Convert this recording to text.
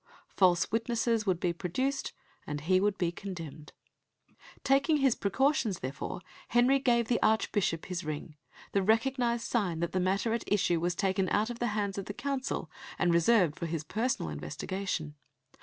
False witnesses would be produced, and he would be condemned. Taking his precautions, therefore, Henry gave the Archbishop his ring the recognised sign that the matter at issue was taken out of the hands of the Council and reserved for his personal investigation.